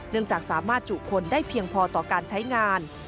จากสามารถจุคนได้เพียงพอต่อการใช้งาน